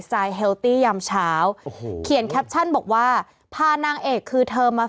เฮลตี้ยามเช้าโอ้โหเขียนแคปชั่นบอกว่าพานางเอกคือเธอมา